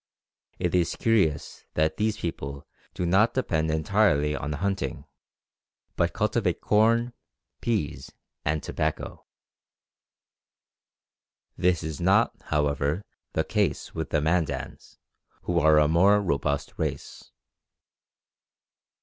It is curious that these people do not depend entirely on hunting, but cultivate corn, peas, and tobacco. This is not, however, the case with the Mandans, who are a more robust race.